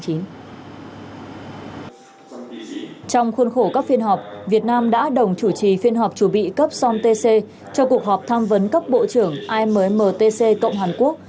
trong khuôn khổ các phiên họp việt nam đã đồng chủ trì phiên họp chủ bị cấp somtc cho cuộc họp tham vấn cấp bộ trưởng ammtc cộng hàn quốc